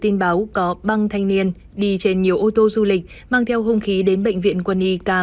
tin báo có băng thanh niên đi trên nhiều ô tô du lịch mang theo hùng khí đến bệnh viện quân y k một trăm hai mươi